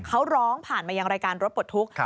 เขาร้องผ่านมายังรายการรถปลดทุกข์